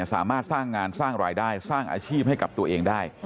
สามารถสร้างงานสร้างรายได้สร้างอาชีพให้กับตัวเองได้